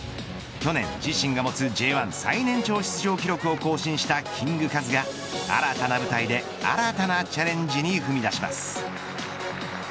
去年、自身が持つＪ１最年長出場記録を更新したキングカズが新たな舞台で新たなチャレンジに踏み出します。